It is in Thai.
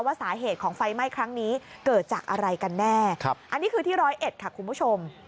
ว่าสาเหตุของไฟไหม้ครั้งนี้เกิดจากอะไรกันแน่อันนี้คือที่ร้อยเอ็ดค่ะคุณผู้ชม